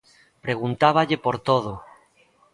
Preguntáballe por todo.